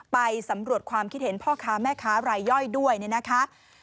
ไปสำรวจความคิดเห็นพ่อค้าแม่ค้ารายย่อยด้วยเนี่ยนะคะ